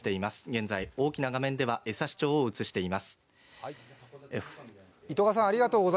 現在、大きな画面では江差町を映しています。